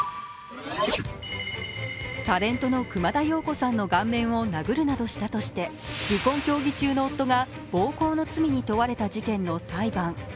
タレントの熊田曜子さんの顔面を殴るなどしたとして離婚協議中の夫が暴行の罪に問われた事件の裁判。